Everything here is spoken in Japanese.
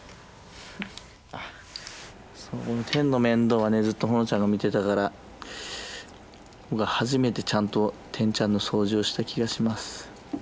そうテンの面倒はずっとほのちゃんが見てたから僕は初めてちゃんとテンちゃんの掃除をした気がします。